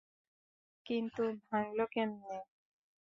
কিন্তু ভাঙলো কেমনে?